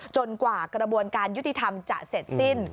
กว่ากระบวนการยุติธรรมจะเสร็จสิ้น